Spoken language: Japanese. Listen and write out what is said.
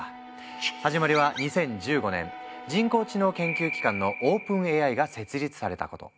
始まりは２０１５年人工知能研究機関のＯｐｅｎＡＩが設立されたこと。